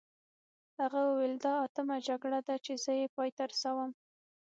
هغه وویل دا اتمه جګړه ده چې زه یې پای ته رسوم.